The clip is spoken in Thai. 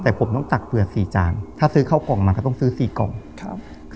แต่ผมต้องตักเปลือกสี่จานถ้าซื้อเข้ากล่องมาก็ต้องซื้อสี่กล่องครับ